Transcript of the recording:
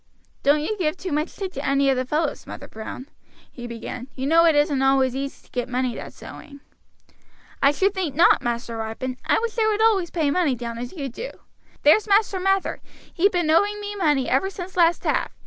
"Don't you give too much tick to any of the fellows, Mother Brown," he began. "You know it isn't always easy to get money that's owing." "I should think not, Master Ripon; I wish they would always pay money down as you do. There's Master Mather, he been owing me money ever since last half.